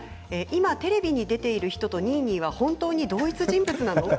今テレビに出ている人とニーニーは本当に同一人物なんですか？